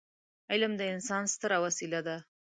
علم د انسان ستره وسيله ده.